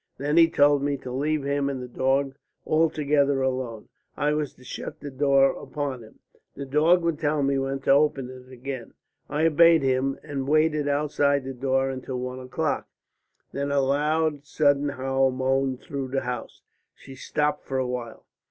Then he told me to leave him and the dog altogether alone. I was to shut the door upon him. The dog would tell me when to open it again. I obeyed him and waited outside the door until one o'clock. Then a loud sudden howl moaned through the house." She stopped for a while.